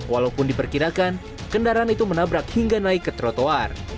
walaupun diperkirakan kendaraan itu menabrak hingga naik ke trotoar